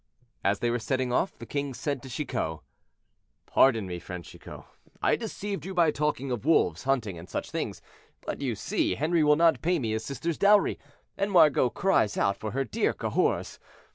As they were setting off, the king said to Chicot: "Pardon me, friend Chicot, I deceived you by talking of wolves, hunting, and such things, but you see Henri will not pay me his sister's dowry, and Margot cries out for her dear Cahors.